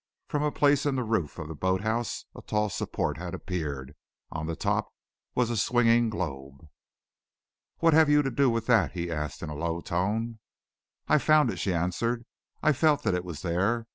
From a place in the roof of the boat house a tall support had appeared. On the top was a swinging globe. "What have you to do with that?" he asked in a low tone. "I found it," she answered. "I felt that it was there.